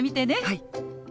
はい！